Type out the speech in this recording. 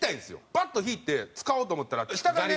バッと引いて使おうと思ったら下がね